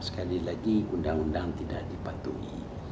sekali lagi undang undang tidak dipatuhi